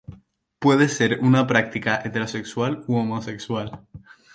Puede ser una práctica heterosexual u homosexual.